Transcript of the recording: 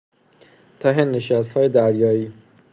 ته نشستهای دریایی